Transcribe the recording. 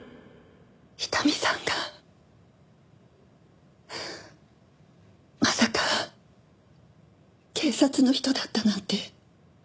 伊丹さんがまさか警察の人だったなんて。